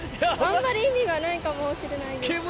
あんまり意味がないかもしれないです。